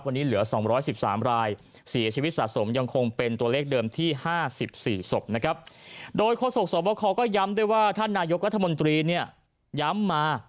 วันนี้เหลือ๒๑๓รายเสียชีวิตสะสมยังคงเป็นตัวเลขเดิมที่๕๔ศพนะครับโดยโฆษกสวบคก็ย้ำด้วยว่าท่านนายกรัฐมนตรีเนี่ยย้ำมา